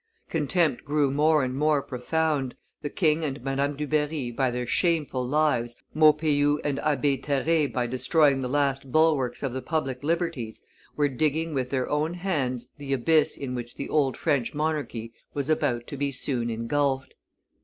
Contempt grew more and more profound; the king and Madame Dubarry by their shameful lives, Maupeou and Abbe Terray by destroying the last bulwarks of the public liberties, were digging with their own hands the abyss in which the old French monarchy was about to be soon ingulfed.